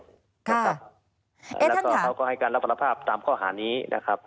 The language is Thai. แล้วก็เขาก็ให้การรับสารภาพตามข้อหานี้นะครับ